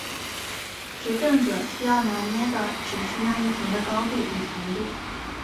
执政者需要拿捏的只是那一横的高度与长度。